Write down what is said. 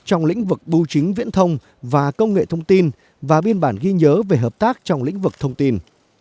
trong lĩnh vực bưu chính viễn thông và công nghệ thông tin và biên bản ghi nhớ về hợp tác trong lĩnh vực thông tin